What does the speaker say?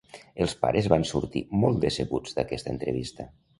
Els pares van sortir molt decebuts d'aquesta entrevista.